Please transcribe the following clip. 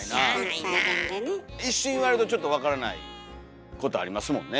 一瞬言われるとちょっと分からないことありますもんね。